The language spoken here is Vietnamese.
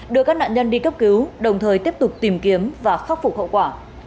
đưa các nạn nhân đi cấp cứu đồng thời tiếp tục tìm kiếm và khắc phục hậu quả